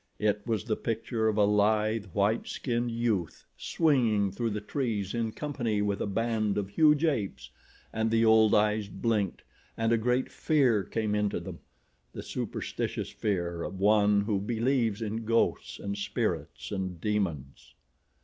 It was the picture of a lithe, white skinned youth swinging through the trees in company with a band of huge apes, and the old eyes blinked and a great fear came into them—the superstitious fear of one who believes in ghosts and spirits and demons.